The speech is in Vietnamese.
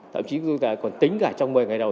thậm chí chúng ta còn tính cả trong một mươi ngày đầu